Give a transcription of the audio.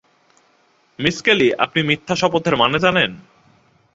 Miss Kelly আপনি মিথ্যা শপথের মানে জানেন?